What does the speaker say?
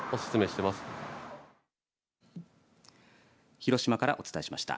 広島からお伝えしました。